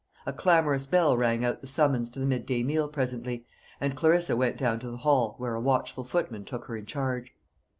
A clamorous bell rang out the summons to the midday meal presently, and Clarissa went down to the hall, where a watchful footman took her in charge.